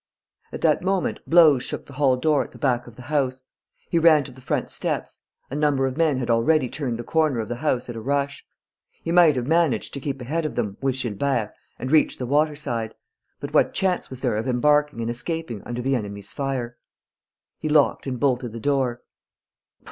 At that moment, blows shook the hall door at the back of the house. He ran to the front steps: a number of men had already turned the corner of the house at a rush. He might have managed to keep ahead of them, with Gilbert, and reach the waterside. But what chance was there of embarking and escaping under the enemy's fire? He locked and bolted the door.